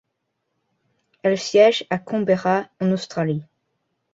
Elle siège à Canberra en Australie.